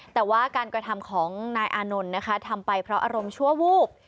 แต่ว่าการกระทำของนายอานนท์นะคะทำไปเพราะอารมณ์ชั่ววูบ